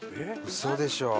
嘘でしょ？